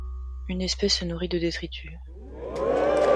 Une espèce se nourrit de détritus.